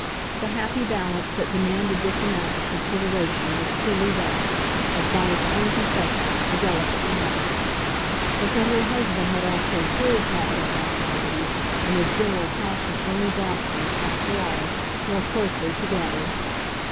The happy balance that demanded this amount of consideration was truly thus, as by its own confession, a delicate matter; but that her husband had also HIS habit of anxiety and his general caution only brought them, after all, more closely together.